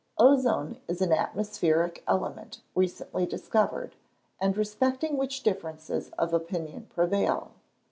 _ Ozone is an atmospheric element recently discovered, and respecting which differences of opinion prevail.